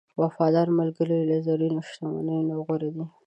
وفادار ملګری له زرینو شتمنیو نه غوره دی.